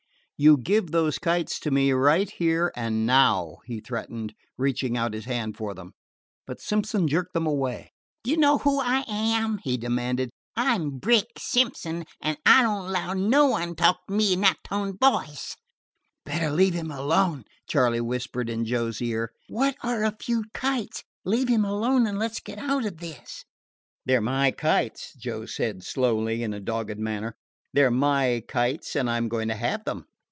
"You give those kites to me, right here and now," he threatened, reaching out his hand for them. But Simpson jerked them away. "D' ye know who I am?" he demanded. "I 'm Brick Simpson, an' I don't 'low no one to talk to me in that tone of voice." "Better leave him alone," Charley whispered in Joe's ear. "What are a few kites? Leave him alone and let 's get out of this." "They 're my kites," Joe said slowly in a dogged manner. "They 're my kites, and I 'm going to have them."